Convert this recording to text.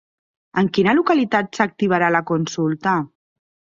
En quina localitat s'activarà la consulta?